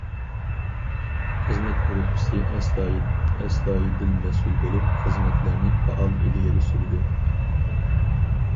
خىزمەت گۇرۇپپىسى ئەستايىدىل مەسئۇل بولۇپ، خىزمەتلەرنى پائال ئىلگىرى سۈردى.